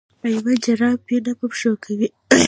مېوند جراپي نه په پښو کوي.